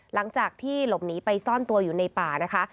หลังจากที่หลบหนีไปซ่อนตัวอยู่ในป่านะคะ